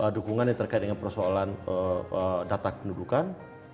dukungan yang terkait dengan persoalan data pendudukan